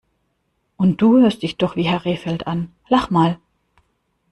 Und du hörst dich doch wie Herr Rehfeld an! Lach mal!